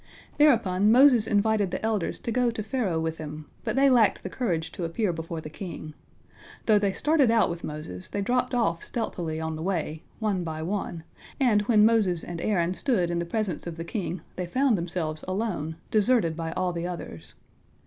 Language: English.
Thereupon Moses invited the elders to go to Pharaoh with him, but they lacked the courage to appear before the king. Though they started out with Moses, they dropped off stealthily on the way, one by one, and when Moses and Aaron stood in the presence of the king, they found themselves alone, deserted by all the others.